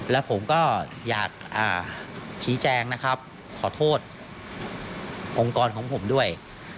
แล้วผมก็อยากชี้แจงนะครับขอโทษองค์กรของผมด้วย